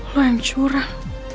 lo yang curah